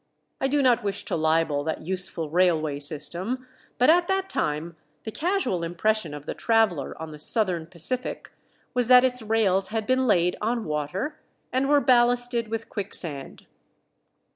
I do not wish to libel that useful railway system; but at that time the casual impression of the traveler on the Southern Pacific was that its rails had been laid on water, and were ballasted with quicksand.